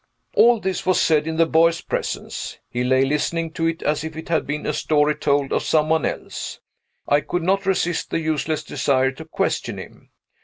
All this was said in the boy's presence. He lay listening to it as if it had been a story told of some one else. I could not resist the useless desire to question him.